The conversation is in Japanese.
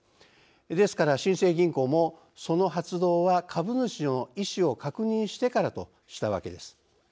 ですから新生銀行もその発動は株主の意思を確認してからとしたわけです。